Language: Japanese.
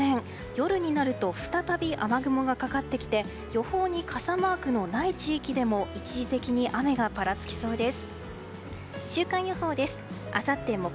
夜になると再び雨雲がかかってきて予報に傘マークのない地域でも一時的に雨がぱらつきそうです。